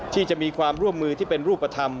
ที่จะมีความร่วมมือที่เป็นรูปธรรม